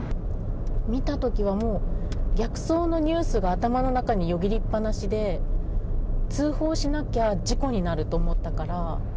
見たときはもう、逆走のニュースが頭の中によぎりっ放しで、通報しなきゃ事故になると思ったから。